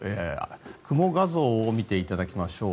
雲画像を見ていただきましょう。